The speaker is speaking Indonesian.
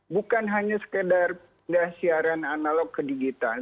bukan hanya sekedar siaran analog ke digital